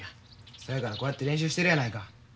そやからこうやって練習してるやないか。